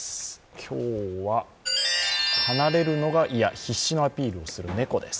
今日は離れるのが嫌、必死のアピールをする猫です。